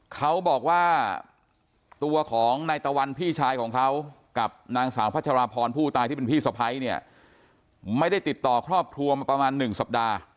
เขาบอกว่าตัวของนายตะวันพี่ชายของเขากับนางสาวพัชราพรผู้ตายที่เป็นพี่สะพ้ายเนี่ยไม่ได้ติดต่อครอบครัวมาประมาณ๑สัปดาห์